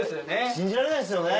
信じられないですよね！